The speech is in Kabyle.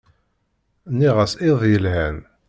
Nniɣ-as iḍ yelhan.